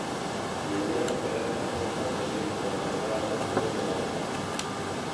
I aviat entrarem en una repressió que afectarà molta gent anònima.